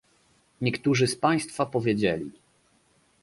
Niektórzy z Państwa powiedzieli